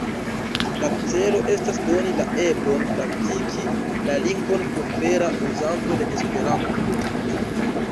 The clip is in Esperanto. La celo estas doni la eblon praktiki la lingvon kun vera uzanto de Esperanto.